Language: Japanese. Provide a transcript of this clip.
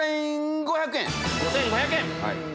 ５５００円！